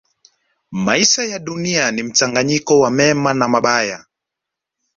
Maisha ya Dunia ni mchanganyiko wa mema na mabaya.